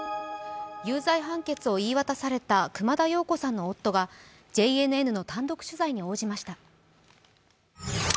有罪判決を言い渡された熊田曜子さんの夫がＪＮＮの単独取材に応じました。